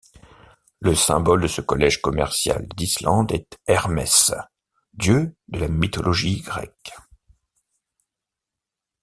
Le symbole de ce collège commerciale d'Islande est Hermès, dieu de la mythologie grecque.